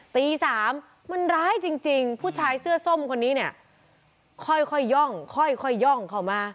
ตีสามมันร้ายจริงจริงผู้ชายเสื้อส้มคนนี้เนี้ยค่อยค่อยย่องค่อยค่อยย่องเข้ามา